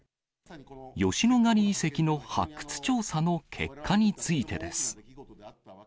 吉野ヶ里遺跡の発掘調査の結果についてです。